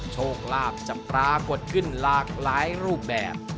โชคลาภจะปรากฏขึ้นหลากหลายรูปแบบ